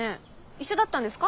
一緒だったんですか？